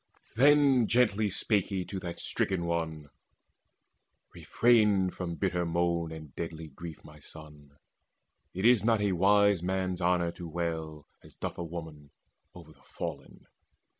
Then gently spake he to that stricken one: "Refrain from bitter moan and deadly grief, My son. It is not for a wise man's honour To wail, as doth a woman, o'er the fallen.